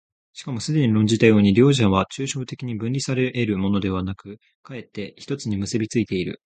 しかもすでに論じたように、両者は抽象的に分離され得るものでなく、却って一つに結び付いている。